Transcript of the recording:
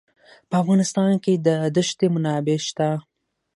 په افغانستان کې د دښتې منابع شته.